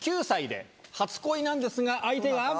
９歳で初恋なんですが相手が。